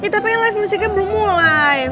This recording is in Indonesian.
tapi yang live musicnya belum mulai